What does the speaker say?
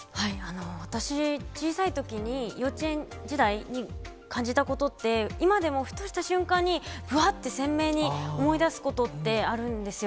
私、小さいときに、幼稚園時代に感じたことって、今でもふとした瞬間に、ぶわって鮮明に思い出すことってあるんですよ。